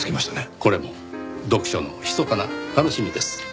これも読書のひそかな楽しみです。